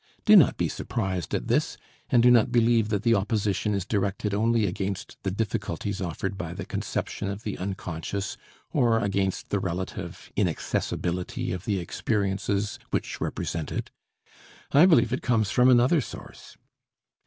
Do not be surprised at this, and do not believe that the opposition is directed only against the difficulties offered by the conception of the unconscious or against the relative inaccessibility of the experiences which represent it. I believe it comes from another source.